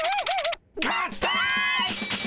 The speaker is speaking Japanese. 合体！